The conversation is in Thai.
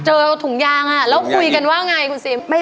ถุงยางแล้วคุยกันว่าไงคุณซีม